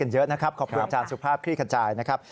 ขอบคุณอาจารย์สุขภาพคลิกกระจายนะครับ